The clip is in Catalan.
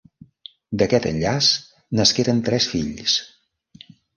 D'aquest enllaç nasqueren tres fills: